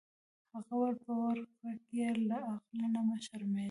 هغه وویل په ورکړه کې یې له اغلې نه مه شرمیږه.